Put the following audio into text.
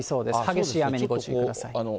激しい雨にご注意ください。